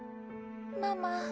ママ